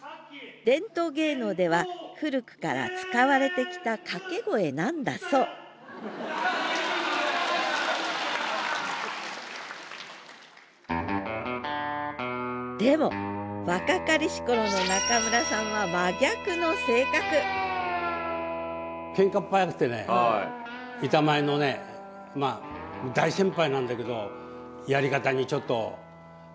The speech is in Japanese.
伝統芸能では古くから使われてきたかけ声なんだそうでも若かりし頃の中村さんは板前のねまあ大先輩なんだけどやり方にちょっとおかしいと。